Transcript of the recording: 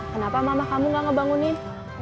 kenapa mama kamu gak ngebangunin